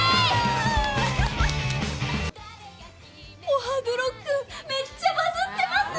お歯黒ロックめっちゃバズってます！